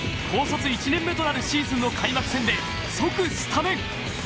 高卒１年目となるシーズンの開幕戦で、即スタメン。